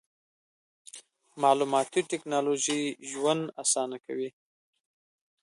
مالوماتي ټکنالوژي ژوند اسانه کوي.